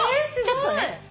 ちょっとね。